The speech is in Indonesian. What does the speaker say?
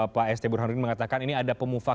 pak st burhanuddin mengatakan ini ada pemufakat